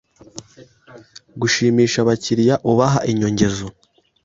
gushimisha abakiriya ubaha inyongezo